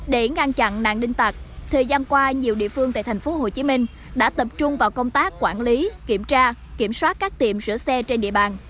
để ngăn chặn nạn đinh tặc thời gian qua nhiều địa phương tại thành phố hồ chí minh đã tập trung vào công tác quản lý kiểm tra kiểm soát các tiệm sửa xe trên địa bàn